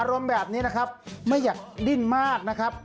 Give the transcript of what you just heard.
อารมณ์แบบนี้นะครับไม่อยากดิ้นมากนะครับ